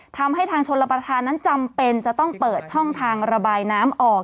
ทำให้ทางชนรับประทานนั้นจำเป็นจะต้องเปิดช่องทางระบายน้ำออก